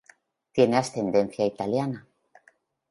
Tiene ascendencia italiana.